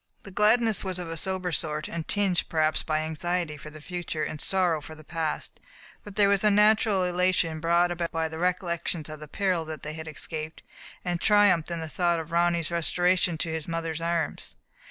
The gladness was of a sober sort, and tinged, perhaps, by anxiety for the future and sorrow for the past; but there was a natural elation, brought about by the recollections of the peril that they had escaped, and triumph in the thought of Ronny's restoration to his mother's arms.